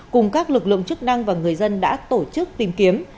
cùng các lực lượng chức năng và người dân đã tổ chức tìm kiếm